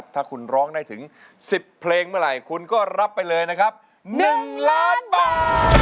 ถ้าคุณร้องได้ถึง๑๐เพลงเมื่อไหร่คุณก็รับไปเลยนะครับ๑ล้านบาท